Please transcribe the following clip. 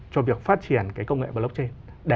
cho việc phát triển cái công nghệ blockchain